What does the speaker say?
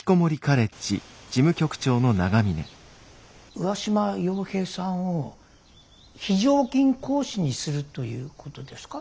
上嶋陽平さんを非常勤講師にするということですか？